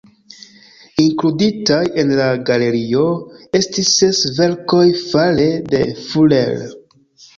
Inkluditaj en la galerio estis ses verkoj fare de Fuller.